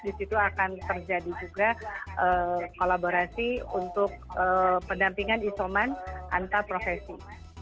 di situ akan terjadi juga kolaborasi untuk pendampingan isoman antar profesi